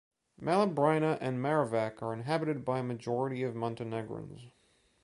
Mala Braina and Marovac are inhabited by a majority of Montenegrins.